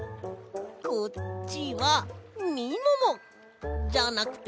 こっちはみももじゃなくてみもも